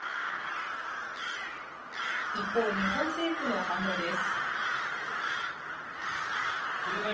一方、日本政府の反応です。